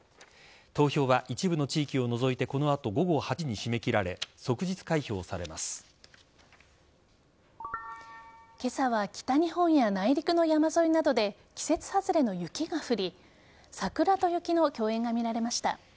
投票は一部の地域を除いてこのあと午後８時に締め切られ今朝は北日本や内陸での山沿いなどで季節外れの雪が降り桜と雪の共演が見られました。